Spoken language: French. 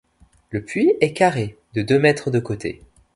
Le puits est carré, de deux mètres de côté.